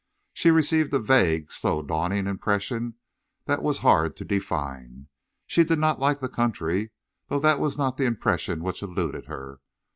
She received a vague, slow dawning impression that was hard to define. She did not like the country, though that was not the impression which eluded her.